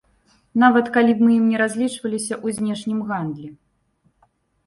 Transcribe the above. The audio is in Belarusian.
Нават калі б мы ім не разлічваліся ў знешнім гандлі.